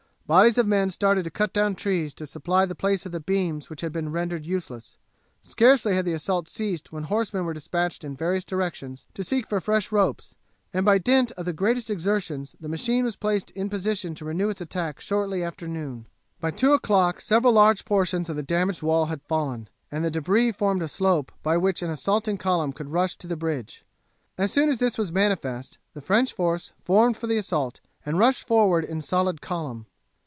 Bodies of men started to cut down trees to supply the place of the beams which had been rendered useless. Scarcely had the assault ceased when horsemen were despatched in various directions to seek for fresh ropes, and by dint of the greatest exertions the machine was placed in position to renew its attack shortly after noon. By two o'clock several large portions of the damaged wall had fallen, and the debris formed a slope by which an assaulting column could rush to the bridge. As soon as this was manifest the French force formed for the assault and rushed forward in solid column.